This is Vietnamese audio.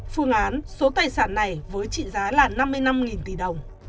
phương án số tài sản này với trị giá là năm mươi năm tỷ đồng